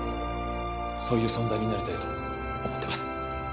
そういう存在になりたいと思ってます